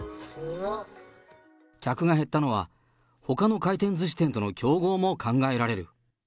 客が減ったのは、ほかの回転ずし店との競合も考えられる。